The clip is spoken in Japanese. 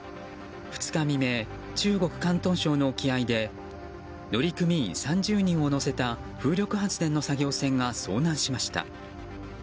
２日未明、中国・広東省の沖合で乗組員３０人を乗せた風力発電の作業船が遭難しました。